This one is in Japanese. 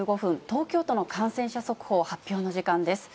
東京都の感染者速報発表の時間です。